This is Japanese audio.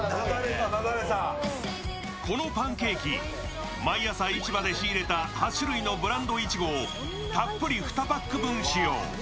このパンケーキ、毎朝市場で仕入れた８種類のブランドいちごをたっぷり２パック分、使用。